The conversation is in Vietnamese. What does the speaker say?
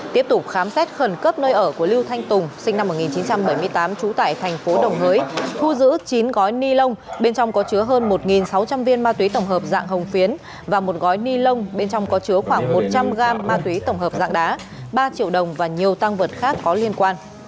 tiếp tục khám xét khẩn cấp nơi ở của lưu thanh tùng sinh năm một nghìn chín trăm bảy mươi tám trú tại thành phố đồng hới thu giữ chín gói ni lông bên trong có chứa hơn một sáu trăm linh viên ma túy tổng hợp dạng hồng phiến và một gói ni lông bên trong có chứa khoảng một trăm linh gram ma túy tổng hợp dạng đá ba triệu đồng và nhiều tăng vật khác có liên quan